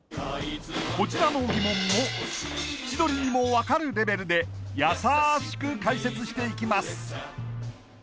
こちらの疑問も千鳥にも分かるレベルでやさしく解説していきます